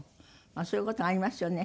まあそういう事がありますよね。